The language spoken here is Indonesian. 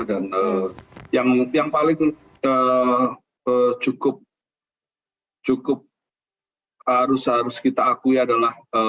dan yang paling cukup harus kita akui adalah